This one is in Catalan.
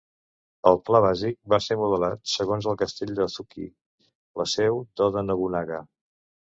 El pla bàsic va ser modelat segons el castell de Azuchi, la seu d'Oda Nobunaga.